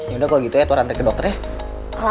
ya udah kalau gitu ya tuh rantri ke dokter ya